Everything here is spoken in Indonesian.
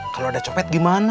kalau ada copet gimana